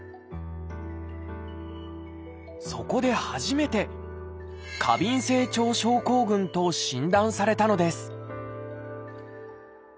そこで初めて「過敏性腸症候群」と診断されたのです